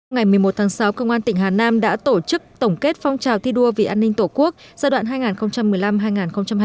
ngày một mươi một tháng sáu công an tỉnh hà nam đã tổ chức tổng kết phong trào thi đua vì an ninh tổ quốc giai đoạn hai nghìn một mươi năm hai nghìn hai mươi